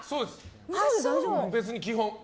別に基本。